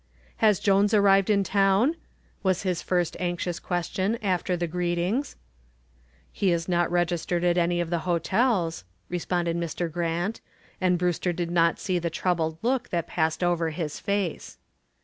"Has Jones arrived in town?" was his first anxious question after the greetings. "He is not registered at any of the hotels," responded Mr. Grant, and Brewster did not see the troubled look that passed over his face.